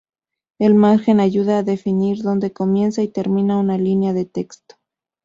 El margen ayuda a definir dónde comienza y termina una línea de texto.